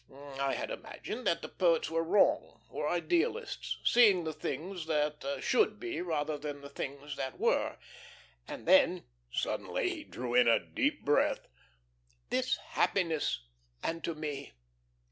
I had imagined that the poets were wrong, were idealists, seeing the things that should be rather than the things that were. And then," suddenly he drew a deep breath: "this happiness; and to me.